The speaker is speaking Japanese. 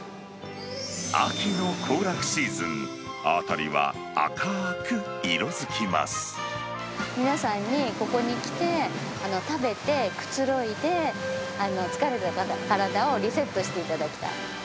秋の行楽シーズン、皆さんにここに来て、食べて、くつろいで、疲れた体をリセットしていただきたい。